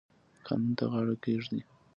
قانون ته غاړه کیږدئ